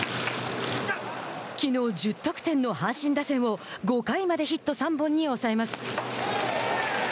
きのう１０得点の阪神打線を５回までヒット３本に抑えます。